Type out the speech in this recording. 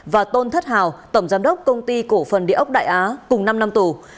và tôn thất hào tổng giám đốc công ty cổ phần địa ốc đại á cùng năm năm tù